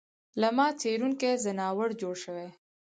له ما څېرونکی ځناور جوړ شوی